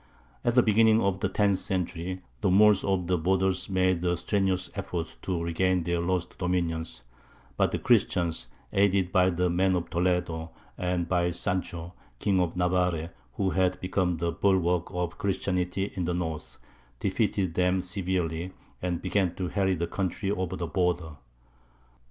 At the beginning of the tenth century the Moors of the borders made a strenuous effort to regain their lost dominions; but the Christians, aided by the men of Toledo, and by Sancho, King of Navarre, who had become the bulwark of Christianity in the north, defeated them severely, and began to harry the country over the border.